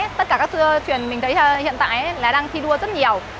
tất cả các truyền mình thấy hiện tại là đang thi đua rất nhiều